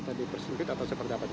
tadi bersempit atau seperti apa